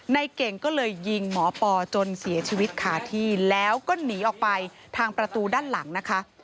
ในเก่งก็เลยยิงหมอปอจนเสียชีวิตขาดที่แล้วก็หนีออกไปทางประตูด้านหลังนะคะ